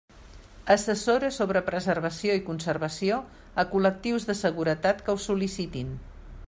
Assessora sobre preservació i conservació a col·lectius de seguretat que ho sol·licitin.